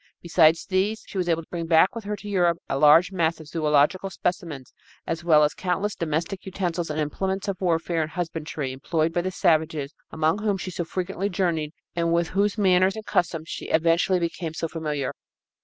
Besides these, she was able to bring back with her to Europe a large mass of zoölogical specimens as well as countless domestic utensils and implements of warfare and husbandry employed by the savages among whom she so frequently journeyed and with whose manners and customs she eventually became so familiar.